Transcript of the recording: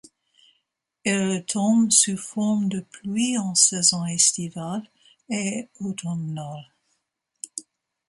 Elles tombent sous forme de pluie en saison estivale et automnale.